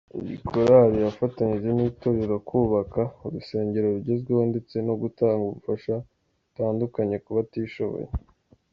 Iyi korali yafatanije n’itorero kubaka urusengero rugezweho ndetse no gutanga ubufasha butandukanye kubatishoboye.